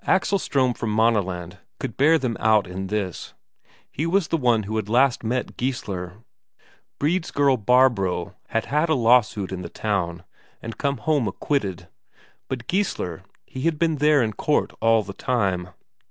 Axel Ström from Maaneland could bear them out in this; he was the one who had last met Geissler. Brede's girl Barbro had had a lawsuit in the town, and come home acquitted; but Geissler, he had been there in court all the time.